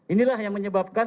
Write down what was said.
inilah yang menyebabkan